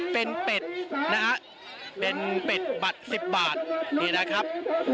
เป็นเป็ดนะฮะเป็นเป็ดบัตร๑๐บาทนี่นะครับ